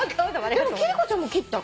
でも貴理子ちゃんも切った？髪。